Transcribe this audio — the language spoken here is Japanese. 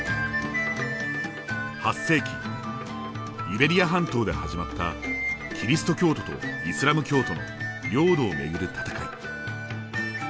８世紀イベリア半島で始まったキリスト教徒とイスラム教徒の領土をめぐる戦い。